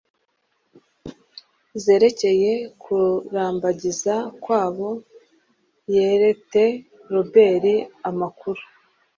zerekeye kurambagiza kwabo, yerete Robert amakuru